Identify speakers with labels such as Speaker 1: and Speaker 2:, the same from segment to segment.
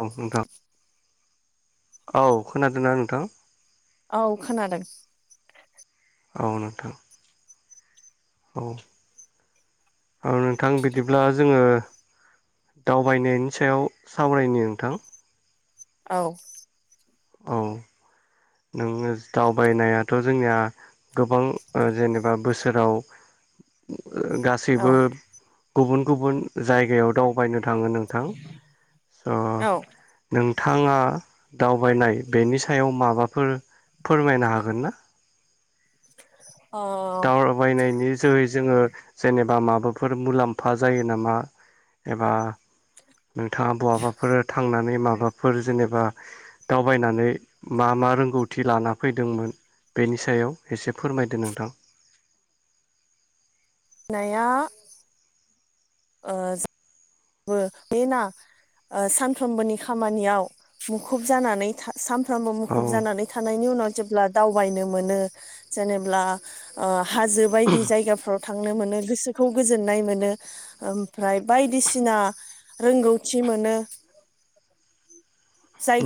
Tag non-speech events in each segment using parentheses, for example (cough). Speaker 1: औ नोंथां औ खोनादोंना नोंथां?
Speaker 2: औ खोनादों।
Speaker 1: औ नोंथां औ औ नोंथां बिदिब्ला जोङो दावबायनायनि सायाव सावरायनि नोंथां
Speaker 2: औ
Speaker 1: औ नोङो दावबायनायाथ' जोंनिया गोबां जेनेबा बोसोराव गासैबो
Speaker 2: औ
Speaker 1: गुबुन गुबुन जायगायाव दाव बायनो थाङो नोंथां ओ
Speaker 2: औ
Speaker 1: नोंथाङा दाव बायनाय बेनि सायाव माबाफोर फोरमायनो हागोन ना?
Speaker 2: ओ
Speaker 1: दावबायनायनि जोहै जोङो जेनेबा माबाफोर मुलाम्फा जायो नामा एबा नोंथाङा बहाबाफोर थांना नै माबाफोर जेनेबा दावबायनानै मा मा रोंगौथि लाना फैदोंमोन बेनि सायाव एसे फोरमायदो नोंथां
Speaker 2: नाया ओ (unintelligible) ओ सानफ्रोमबोनि खामानियाव मुखुब जानानै था साम सानफ्रामबो
Speaker 1: औ
Speaker 2: मुखुब जानानै थानायनि उनाव जेब्ला दावबायनो मोनो जेनेब्ला ओ हाजो बायदि जायगाफ्राव थांनो मोनो गोसोखौ गोजोननाय मोनो ओमफ्राय बायदिसि सिना रोंगौथि मोनो।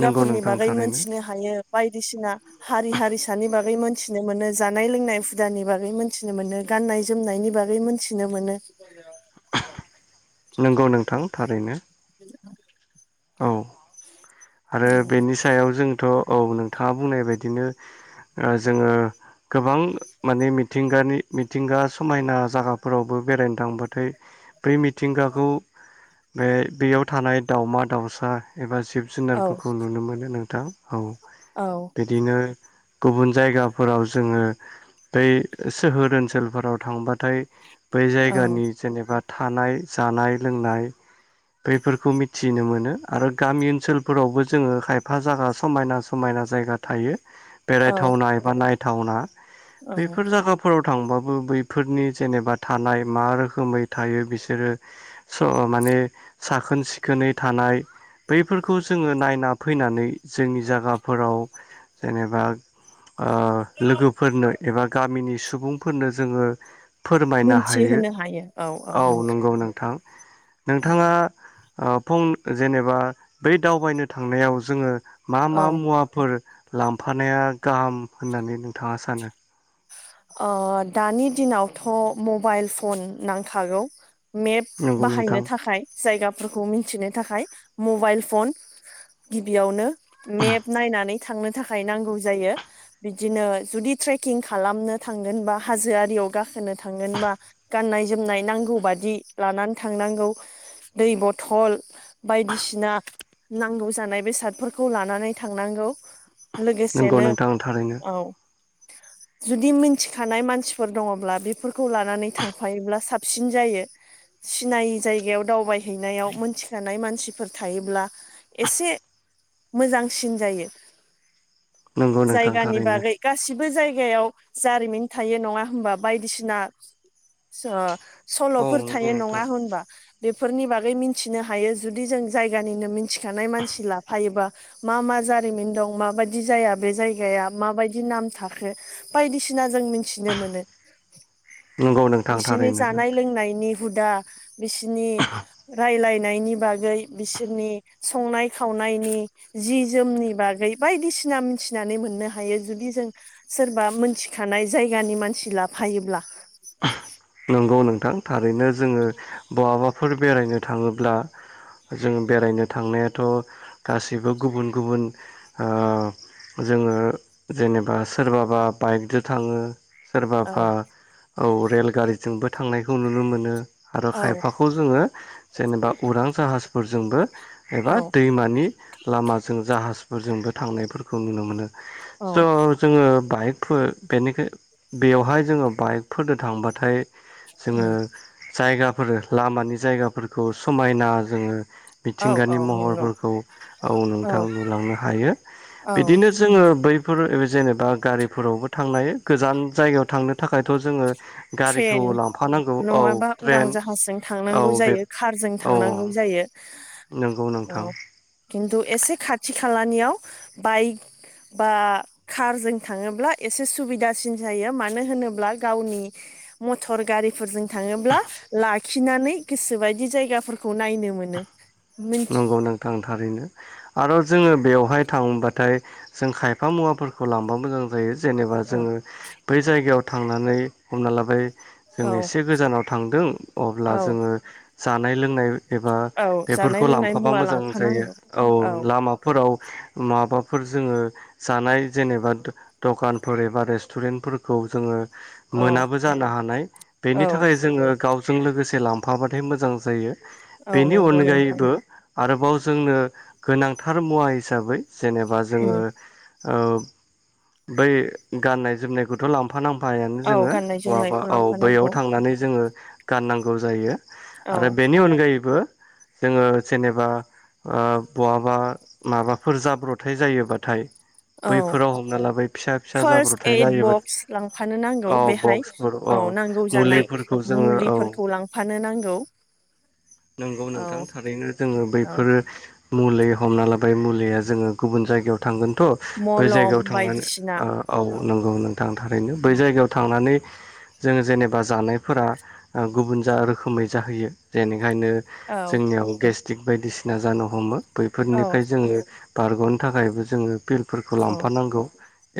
Speaker 1: नंगौ नोंथां
Speaker 2: बागै
Speaker 1: थारैनो
Speaker 2: मोनथिनो हायो बाय बायदिसिना हारि हारिसानि बागै मोनथिनो मोनो जानाय लोंनाय हुदानि बागै मोनथिनो मोनो गाननाय गाननाय जोमनायनि बागै मोनथिनो मोनो।
Speaker 1: नंगौ नोंथां थारैनो।
Speaker 2: (inaudible)
Speaker 1: औ
Speaker 2: औ
Speaker 1: आरो बेनि सायाव जोंथ' औ नोंथाङा बुंनाय बायदिनो ओ जोङो गोबां माने मिथिंगानि मिथिंगा समायना जागाफोरावबो बेरायनो थांबाथाय बै मिथिंगाखौ बे बेयाव थानाय दावमा दाउसा एबा जिब
Speaker 2: औ
Speaker 1: जुनारफोरखौ नुनो मोनो नोंथां औ
Speaker 2: औ
Speaker 1: बिदिनो गुबुन जायगाफोराव जोङो बै सोहोर ओनसोलफोराव थांबा थाय बै
Speaker 2: औ
Speaker 1: जायगानि जेनेबा थानाय जानाय लोंनाय बेफोरखौ मिथिनो मोन नो गामि ओनसोलफोरावबो जोङो खायफा जागा समायना समायना जायगा थायो। बेरायथावना एबा नायथावना
Speaker 2: औ
Speaker 1: बैफोर जागाफोराव थांबाबो बैफोरनि जेनेबा थानाय मा रोखोमै थायो बिसोरो सो माने नै साखोन सिखोनै थानाय बैफोरखौ जोङो नायना फैनानै जोंनि जागाफोराव जेनेबा ओ लोगोफोरनो एबा गामिनि सुबुंफोरनो जोङो फोरमायनो हायो औ नंगौ नोंथां
Speaker 2: औ
Speaker 1: नोंथाङा अ फं जेनेबा बै दावबायनो थांनायाव जोङो मा
Speaker 2: औ
Speaker 1: मा मुवाफोर लांफानाया गाहाम होननानै नोंथाङा सानो?
Speaker 2: अ दानि दिनावथ' मबाइल फन नांखागौ। मेप
Speaker 1: नंगौ
Speaker 2: बाहायनो
Speaker 1: नोंथां
Speaker 2: थाखाय जायगाफोरखौ मिथिनो थाखाय मबाइल फन। गिबियावनो मेप नायनानै थांनो थाखाय नांगौ जायो बिदिनो जुदि ट्रेकिं खालामनो थांगोन बा हाजोआरियाव गाखोनो थांगोन बा गाननाय जोमनाय नांगौ बादि लानानै थां नांगौ। दै बथल बायदिसिना नांगौ जानाय बेसादफोरखौ लानानै थांनां गौ
Speaker 1: नंगौ
Speaker 2: लोगोसेनो
Speaker 1: नोंथां थारैनो
Speaker 2: औ जुदि मिन थिखानाय मानसिफोर दङब्ला बेफोरखौ लानानै थांफायोब्ला साबसिन जायो। सिनायै जायगायाव दावबायहैनायाव मोनथिखानाय मानसिफोर थायोब्ला एसे मोजांसिन जायो
Speaker 1: नंगौ नोंथां
Speaker 2: जायगानि
Speaker 1: थारैनो
Speaker 2: बागै गासिबो जायग गायाव जारिमिन थायो नङा होमबा बायदिसिना सो
Speaker 1: औ
Speaker 2: सल'फोर
Speaker 1: नंगौ
Speaker 2: थायो
Speaker 1: नोंथां
Speaker 2: नङा होनबा बे फोरनि बागै मोनथिनो हायो जुदि जों जायगानिनो मानसि लाफायोबा मा मा जा जारिमिन दं माबायदि बे जायगाया माबायदि नाम थाखो बायदिसिना जों मिथिनो मोनो
Speaker 1: नंगौ नोंथां
Speaker 2: बिसोरनि
Speaker 1: थारैनो
Speaker 2: जानाय लोंनायनि हुदा बिसिनि रायलाय नायनि बागै बिसोरनि संनाय खावनायनि जि जोमनि बागै बायदिसि सिना मिथिनानै मोननो हायो जुदि जों सोर बा मोनथिखानाय जायगानि मानसि लाफायोब्ला।
Speaker 1: नंगौ नोंथां थारैनो जोङो बहाबाफोर बेरायनो थाङोब्ला जों बेरायनो थांनायाथ' गाैसैबो गुबुन गुबुन ओ जोङो जेनेबा सोरबाबा बाइकदो थाङो। सोरबााबा
Speaker 2: औ
Speaker 1: औ रेलगारिजोंबो थांनायखौ नुनो मोनो। आरो
Speaker 2: औ
Speaker 1: खायफाखौ जोङो जेनेबा उरां जाहाजफोरजोंबो एबा
Speaker 2: औ
Speaker 1: दैमानि लामाजों जाहाजफोरजोंबो थांनायफोरखौ नुनो मोनो।
Speaker 2: औ
Speaker 1: स' जोङो बाइकफोर बेनिखाय बेयावहाय जोङो बाइकफोरदो थांबाथाय जोङो
Speaker 2: उम
Speaker 1: जायगाफोर लामानि जायगाफोरखौ समायना जोङो
Speaker 2: औ
Speaker 1: मिथिंगानि
Speaker 2: औ नंगौ
Speaker 1: महरफोरखौ औ नोंथां नुलांनो हायो।
Speaker 2: औ
Speaker 1: बिदिनो जोङो बैफोर ओरै जेनेबा गारिफोरावबो थांनो हायो गोजान जायगायाव थांनो थाखायथ' जोङो गारिखौ
Speaker 2: ट्रेन
Speaker 1: लांफानांगौ औ
Speaker 2: नङाबा उरां
Speaker 1: ट्रेन
Speaker 2: जाहाजजों
Speaker 1: औ
Speaker 2: थांनांगौ
Speaker 1: बे
Speaker 2: जायो। कारजों
Speaker 1: औ
Speaker 2: थांनांगौ जायो। (unintelligible)
Speaker 1: नंगौ नोंथां।
Speaker 2: औ खिन्थु एसे खाथि खालानियाव बाइक बा कारजों थाङोब्ला एसे सुबिदासिन जायो मानो होनोब्ला गावनि मटर गारिफोरजों थाङोब्ला लाखिनानै गोसोबायदि जायगाफोरखौ नायनो मोनो। मिन्थ
Speaker 1: नंगौ नोंथां थारैनो। आरो जोङो बेवहाय थांबाथाय जों खायफा मुवाफोरखौ लांबा मोजां जायो। जेनेबा जोङो बै जायगायाव थांनानै। हमना लाबाय जों
Speaker 2: औ
Speaker 1: एसे गोजानाव थांदों अब्ला
Speaker 2: औ
Speaker 1: जोङो जानाय -लोंनाय एबा
Speaker 2: औ जानाय
Speaker 1: बेफोरखौ
Speaker 2: लोंनाय
Speaker 1: लांफाबा
Speaker 2: मुवा
Speaker 1: मोजां जायो
Speaker 2: लांफानांगौ
Speaker 1: औ लामाफोर (unintelligible) माबाफोर जोङो जानाय जेनेबा दखानफोर एबा रेस्टुरेन्टफोर जोङो
Speaker 2: औ
Speaker 1: मोनाबो जानो हानाय बेनि
Speaker 2: औ
Speaker 1: थाखाय जोङो गाव जों लोगोसे लांफाबाथाय मोजां जायो।
Speaker 2: औ
Speaker 1: बेनि
Speaker 2: नंगौ नोंथां।
Speaker 1: अनगायैबो आरोबाव जोंनो गोनांथार मुवा हिसाबै जेनेबा
Speaker 2: उम
Speaker 1: जोङो अ बै गाननाय जोमनायखौथ' (unintelligible) नामफायानो
Speaker 2: औ
Speaker 1: जोङो
Speaker 2: गाननाय
Speaker 1: बहाबा
Speaker 2: जोमनायखौ
Speaker 1: औ बैयाव
Speaker 2: लांफानांगौ
Speaker 1: थांनानै जोङो गाननांगौ जायो।
Speaker 2: औ
Speaker 1: आरो बेनि अनगायैबो जोङो जेनेबा ओ बहाबा माबाफोर जाब्रथायाइ जायोबाथाय
Speaker 2: औ
Speaker 1: बैफोराव हमना लाबाय फिसा- फिसा
Speaker 2: फार्स्ट
Speaker 1: जाब्रथाय
Speaker 2: एड
Speaker 1: जायोमोन
Speaker 2: बक्स लांफानो नांगौ
Speaker 1: अ
Speaker 2: बेहाय
Speaker 1: बक्स फोर
Speaker 2: औ नांगौ जानाय
Speaker 1: औ
Speaker 2: मुलिफोरखौ लांफानो नांगौ।
Speaker 1: नंगौ नोंथां
Speaker 2: औ
Speaker 1: (unintelligible) ओरैनो जोङो
Speaker 2: औ
Speaker 1: बैफोरो मुलि हमना लाबाय। मुलिया जोङो गुबुन जायगायाव थांगोन। थ' बै
Speaker 2: मलम
Speaker 1: जायगायाव थांनानै
Speaker 2: बायदिसिना
Speaker 1: अ औ नंगौ नोंथां थारैनो बै
Speaker 2: उम
Speaker 1: जायगायाव थांनानै जों जेनेबा जानायफोरा आ गुबुन जा रोखोमै जाहैयो जेने ओंखायनो
Speaker 2: औ
Speaker 1: गेस्ट्रिक बायदिसिना जानो हमो
Speaker 2: औ
Speaker 1: बैफोरनिफ्राय जोङो बारग'नो थाखायबो जोङो फिलफोरखौ
Speaker 2: औ
Speaker 1: लांफानांगौ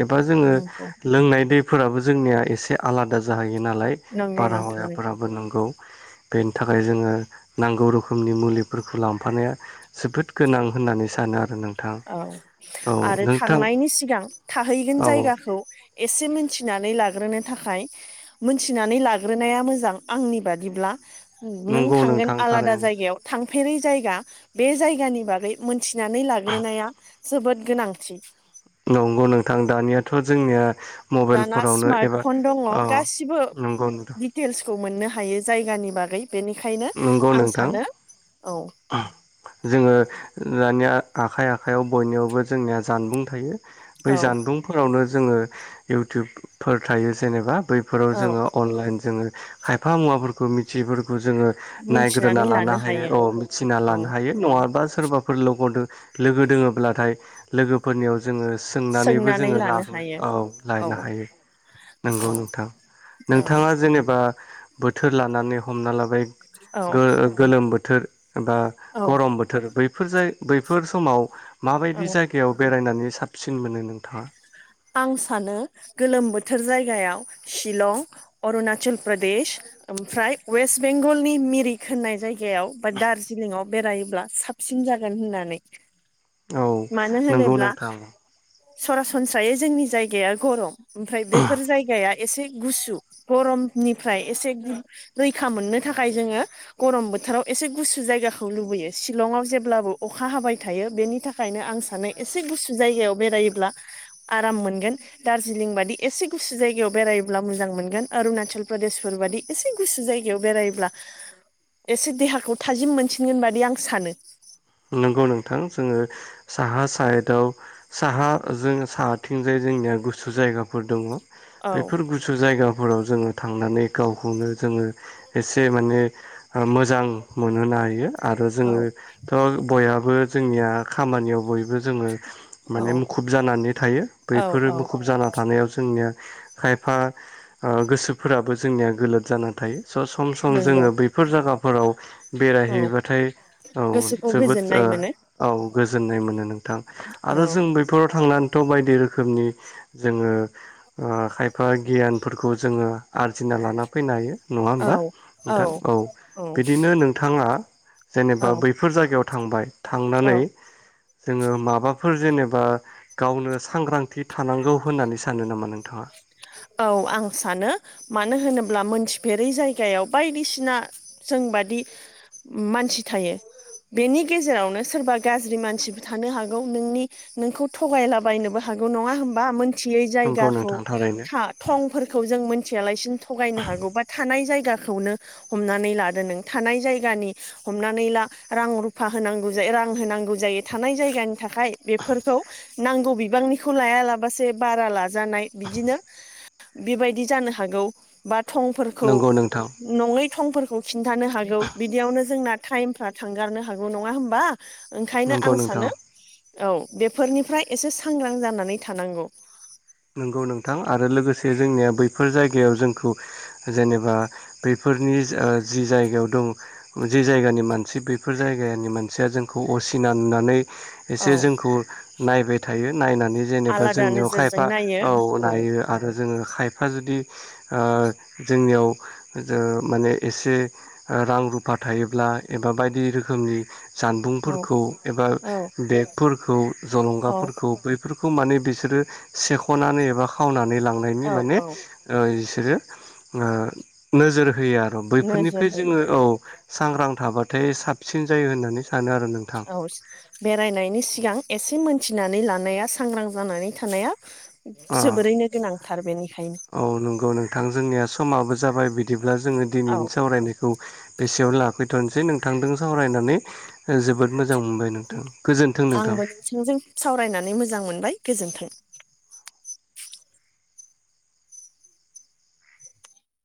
Speaker 1: एबा जोङो
Speaker 2: नंगौ
Speaker 1: लोंनाय दै। फोराबो जोंनिया एसे आलादा जाहैयो नालाय
Speaker 2: नंगौ नोंथां
Speaker 1: बारहावायाफोराबो नंगौ। बेनि थाखाय जोङो नांगौ (unintelligible) रोखोमनि मुलिफोरखौ लांफानाया जोबोद गोनां होननानै सानो आरो (unintelligible)
Speaker 2: औ
Speaker 1: औ
Speaker 2: आरो
Speaker 1: नोंथां
Speaker 2: थांनायनि सिगां थाहैगोन
Speaker 1: औ
Speaker 2: जायगाखौ एसे मिथिनानै लाग्रोनो थाखाय मोनथिनानै लाग्रोनाया मोजां आंनि बादिब्ला। नों
Speaker 1: नंगौ
Speaker 2: थांगोन
Speaker 1: नोंथां
Speaker 2: आलादा
Speaker 1: थारैनो
Speaker 2: जायगायाव (unintelligible) (unintelligible) जायगा बे जायगानि बागै मोनथिनानै लागोन (unintelligible) जोबोद गोनांथि।
Speaker 1: नंगौ नोंथां दानियाथ' जोंनिया
Speaker 2: दाना
Speaker 1: मबाइलफोरावनो
Speaker 2: स्मार्ट
Speaker 1: एबा
Speaker 2: फन दङ
Speaker 1: अ
Speaker 2: गासिबो
Speaker 1: नंगौ नोंथां
Speaker 2: दिटेल्सखौ मोननो (unintelligible) हायो जायगानि बागै। बेनिखायनो
Speaker 1: नंगौ
Speaker 2: आं
Speaker 1: नोंथां
Speaker 2: सानो औ
Speaker 1: जोङो ओ दानिया आखाइ आखाइआव बयनियावबो जोंनिया जानबुं थायो बै
Speaker 2: औ
Speaker 1: जानबुंफोरावनो जोङो इउटुबफोर थायो जेनेबा बैफोराव
Speaker 2: औ
Speaker 1: जोङो अनलाइन जोङो खायफा मुवाफोरखौ मिथियिफोरखौ जोङो नायग्रोना लानो हायो अ मिथिना
Speaker 2: औ
Speaker 1: लानो हायो नङाबा सोरबाफोर लग लोगो दोङोब्लाथाय लोगोफोरनियाव जोङो सोंनानैबो
Speaker 2: सोंनानै
Speaker 1: जोङो
Speaker 2: लानो हायो
Speaker 1: (unintelligible) औ
Speaker 2: औ
Speaker 1: लायनो हायो। नंगौ
Speaker 2: औ
Speaker 1: नोंथां
Speaker 2: औ
Speaker 1: नोंथाङा जेनेबा बोथोर लानानै हमना लाबाय
Speaker 2: औ
Speaker 1: गो गोलोम बोथोर बा
Speaker 2: औ
Speaker 1: गरम बोथोर बै फोर जाय बैफोर समाव
Speaker 2: औ
Speaker 1: माबायदि जायगायाव बेरायनानै साबसिन मोनो नोंथाङा।
Speaker 2: बियाव शिलं अरुणाचल प्रदेश ओमफ्राय ववेस्ट बेंगलनि मिरि होननाय जायगायाव बा दार्जिलिंआव बेरायोब्ला साबसिन जागोन होननानै
Speaker 1: औ
Speaker 2: मानो
Speaker 1: नंगौ
Speaker 2: होनोब्ला
Speaker 1: नोंथां
Speaker 2: सरासनस्रायै जोंनि जायगाया गरम ओमफ्राय बेफोर जायगाया एसे गुसु गरमनिफ्राय एसे रैखा मोननो थाखाय जोङो गरम बो थोराव एसे गुसु जायगाखौ लुबैयो शिलंआव जेब्लाबो अखा हाबाय थायो बेनि थाखायनो आं सानो। एसे गुसु जायगायाव बेरायोब्ला आराम मोनगोन दार्जिलिं बादि एसे गुसु जायगायाव बेरायायोब्ला मोजां मोनगोन अरुणाचल प्रदेशफोर बादि एसे गु जायगायाव बेरायोब्ला एसे देहाखौ थाजिम मोनसिनगोन बादि आं सानो।
Speaker 1: नंगौ नोंथां जोंङो साहा साइदआव साहा जों साहाथिंजाय जोंनिया गुसु जायगाफोर दङ
Speaker 2: औ
Speaker 1: बेफोर गुसु जायगा फोराव जोंङो थांनानै गावखौनो जोंङो एसे माने ओ मोजां मोनहोनो हायो। आरो
Speaker 2: औ
Speaker 1: जोंङो थ' बयहाबो जोंनिया खामानियाव बयबो जोंङो
Speaker 2: औ
Speaker 1: माने मुखुब जानानै थायो
Speaker 2: औ
Speaker 1: बैफोरो
Speaker 2: औ
Speaker 1: मुखुब जाना थानायाव जोंनिया खायफा ओ गोसोफोराबो जोंनिया गोलोद जानानै थायो। स' सम सम
Speaker 2: नंगौ
Speaker 1: जोंङो बैफोर जागाफोराव
Speaker 2: औ
Speaker 1: बेरायहैबाथाय औ।
Speaker 2: गोसोखौ
Speaker 1: जोबोद
Speaker 2: गोजोननाय
Speaker 1: ओ
Speaker 2: मोनो
Speaker 1: औ गोजोननाय मोनो नोंथां
Speaker 2: औ
Speaker 1: आरो जों बैफोराव थांनानै थौ बायदि रोखोमनि जोंङो ओ खायफा गियानफोरखौ जोङो आरजिनो लाना फैनो हायो। नङा होमबा नोंथां औ बिदिनो नोंथाङा जेनेबा
Speaker 2: औ
Speaker 1: बै जायगायाव थांबाय
Speaker 2: औ
Speaker 1: थांनानै जोंङो माबाफो फोर जेनेबा गावनो सांग्रांथि थानांगौ होननानै सानो नामा नों
Speaker 2: औ आं सानो मानो होनोब्ला मोन मिथिफेरै जायगायाव बायदिसिना जों बादि मानसि थायो। बेनि गेजेरावनो सोरबा गाज्रि मानसिबो थानो हागौ नोंनि नोंखौ थगायलाबायनोबो हा गौ नङा होमबा मोनथियै
Speaker 1: नंगौ
Speaker 2: जायगाखौ
Speaker 1: नोंथां थारैनो
Speaker 2: था थंफोरखौ जों मिथियालासिनो थगायनो हागौ बा थानाय जायगा खौनो हमनानै लादो नों थानाय जायगानि हमनानै ला रां रुफा होनांगौ जायो रां रां होनांगौ जायो थानाय जायगानि थाखाय बेफोरखौ नांगौ बिबांनिखौ लायालाबासे बारा लाजानाय बिदिनो बेबायदि जानो हागौ बा थंफोरखौ
Speaker 1: नंगौ नोंथां
Speaker 2: नङै थंफोरखौ खिन्थानो हागौ बिदियावनो जोंना टाइमफ्रा थांगारनो हागौ नङा होमबा। ओंखायनो
Speaker 1: नंगौ
Speaker 2: आं
Speaker 1: नोंथां
Speaker 2: सानो औ बेफोरनिफ्राय एसे सांग्रां जानानै थानांगौ।
Speaker 1: नंगौ नोंथां आरो लोगोसे जोंनिया बैफोर जायगायाव जोंखौ जेनेबा बैफो फोरनि ओ जि जायगायाव दं जि जायगानि मानसि बेफोर जायगानि मानसिया जोंखौ असि सिना नुनानै
Speaker 2: औ
Speaker 1: एसे जोंखौ नायबाय थायो नायनानै जेनेबा
Speaker 2: आलादा
Speaker 1: जोंनियाव
Speaker 2: नोजोरजों
Speaker 1: खायफा
Speaker 2: नायो
Speaker 1: औ नायो आरो जोङो खायफा जुदि ओ जोंनियाव जो माने एसे रां रुफा थायोब्ला एबा बायदि रोखोमनि
Speaker 2: औ
Speaker 1: जानबुंफोरखौ एबा
Speaker 2: औ
Speaker 1: बेगफोरखौ
Speaker 2: औ
Speaker 1: जलंगाफोरखौ बैफोरख खौ माने बिसोरो सेखनानै एबा खावनानै लांनायनि
Speaker 2: औ
Speaker 1: माने
Speaker 2: औ
Speaker 1: ओ एस बिसोरो ओ नोजोर होयो आरो
Speaker 2: नोजोर
Speaker 1: बैफोरनिफ्राय
Speaker 2: होयो
Speaker 1: जोंङो औ सांग्रां थाबाथाय साबसिन जायो होननानै सा
Speaker 2: औ बेरायनायनि सिगां एसे मोन मिथिनानै लानाया सांग्रां जानानै थानाया
Speaker 1: अ
Speaker 2: जोबोरैनो गोनांथार बेनिखायनो।
Speaker 1: औ नंगौ नोंथां जोंनिया समाबो जाबाय बिदिब्ला जोंङो
Speaker 2: औ
Speaker 1: दिनैनि सावरायनायखौ बेसेयाव लाफै थसै नोंथांजों सावरायनानै जोबोद मोजां मोनबाय नोंथां गोजोन्थों नोंथां
Speaker 2: आंबो नोंसिजों सावरायनानै मोजां मोनबाय गोजोन्थों।